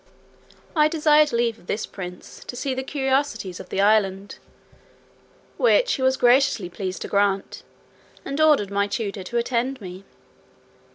I desired leave of this prince to see the curiosities of the island, which he was graciously pleased to grant, and ordered my tutor to attend me.